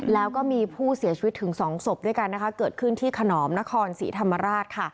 แล้วก็มีผู้เสียชีวิตถึงสองศพกันก็เกิดขึ้นที่ขนอมนคร๔ธรรมราช